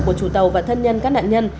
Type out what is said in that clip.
của chủ tàu và thân nhân các nạn nhân